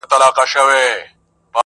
پرتكه سپينه پاڼه وڅڅېدې,